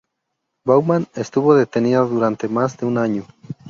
Baumann estuvo detenida durante más de un año.